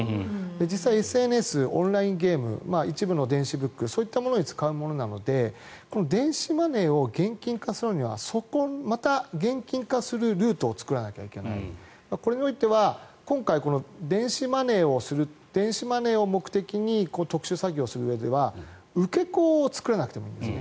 実際、ＳＮＳ、オンラインゲーム一部の電子ブックそういったものに使うものなので電子マネーを現金化するにはまた現金化するルートを作らなきゃいけないこれにおいては今回、電子マネーを目的に特殊詐欺をするうえでは受け子を作らなくていいんです。